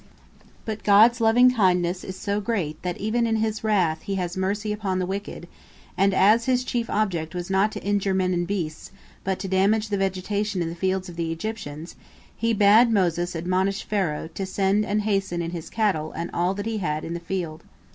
But God's lovingkindness is so great that even in His wrath He has mercy upon the wicked, and as His chief object was not to injure men and beasts, but to damage the vegetation in the fields of the Egyptians, He bade Moses admonish Pharaoh to send and hasten in his cattle and all that he had in the field.